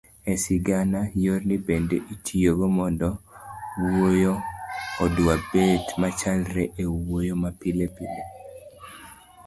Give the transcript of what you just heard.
e sigana, yorni bende itiyogo mondo wuoyo odwabet machalre e wuoyo mapilepile